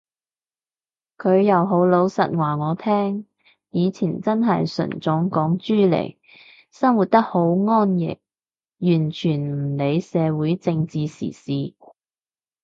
佢又好老實話我聽，以前真係純種港豬嚟，生活得好安逸，完全唔理社會政制時事